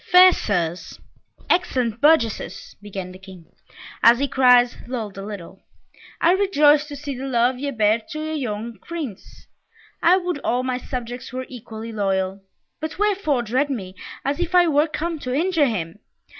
"Fair Sirs! excellent burgesses!" began the King, as the cries lulled a little. "I rejoice to see the love ye bear to our young Prince! I would all my subjects were equally loyal! But wherefore dread me, as if I were come to injure him?